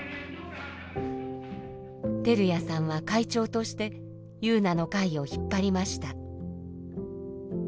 照屋さんは会長としてゆうなの会を引っ張りました。